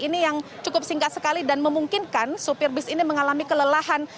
ini yang cukup singkat sekali dan memungkinkan sopir bus ini mengalami kelelahan